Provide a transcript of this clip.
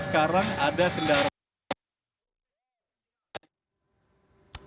sekarang ada kendaraan